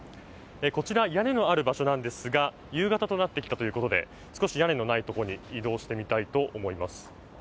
こちら、屋根のある場所なんですが夕方となってきたということで少し屋根のないところに移動してみたいと思います。